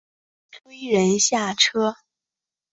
一堆人下车